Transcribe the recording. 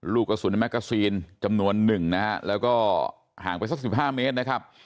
ลูกกระสุนในแมกกาซีนจำนวนหนึ่งนะฮะแล้วก็ห่างไปสัก๑๕เมตรนะครับ